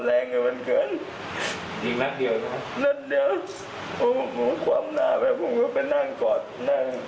นัดเดียวโอ้โหความเหนาะแหละผมก็ไปนั่งกอดนั่ง